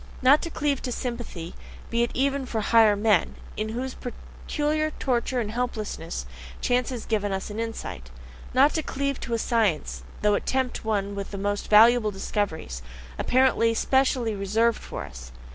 Not to cleave to a sympathy, be it even for higher men, into whose peculiar torture and helplessness chance has given us an insight. Not to cleave to a science, though it tempt one with the most valuable discoveries, apparently specially reserved for us.